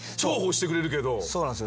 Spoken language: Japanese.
そうなんすよ